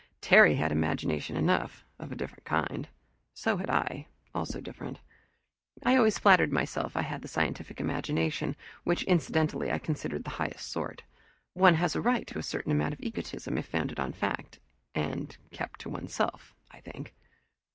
Terry had imagination enough, of a different kind. So had I, also different. I always flattered myself I had the scientific imagination, which, incidentally, I considered the highest sort. One has a right to a certain amount of egotism if founded on fact and kept to one's self I think.